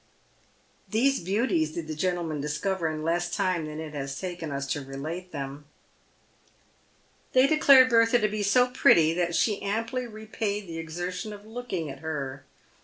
These beauties did the gentlemen discover in less time than it has taken us to relate them. They declared Bertha to be so pretty that she amply repaid the exertion of looking at her.